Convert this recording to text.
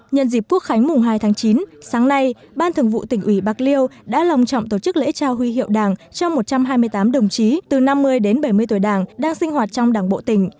nhân dịp quốc khánh mùng hai tháng chín sáng nay ban thường vụ tỉnh ủy bạc liêu đã lòng trọng tổ chức lễ trao huy hiệu đảng cho một trăm hai mươi tám đồng chí từ năm mươi đến bảy mươi tuổi đảng đang sinh hoạt trong đảng bộ tỉnh